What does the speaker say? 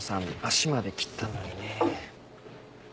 足まで切ったのにね。